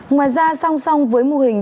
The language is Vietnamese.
ngoài ra song song với mô hình